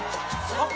あっ！